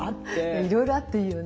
いろいろあっていいよね。